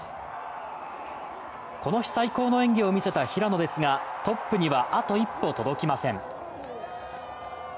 この日、最高の演技を見せた平野ですがトップにはあと一歩届きません。